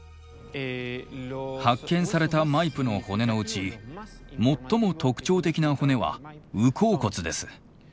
発見されたマイプの骨のうち最も特徴的な骨は烏口骨です。